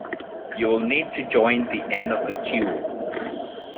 You will need to join the end of the queue.